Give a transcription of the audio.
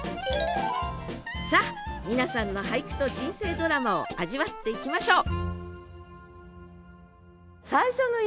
さあ皆さんの俳句と人生ドラマを味わっていきましょう！